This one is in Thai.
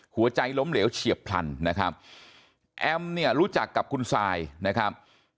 หัวใจล้มเหลวเฉียบพลันนะครับแอมเนี่ยรู้จักกับคุณซายนะครับ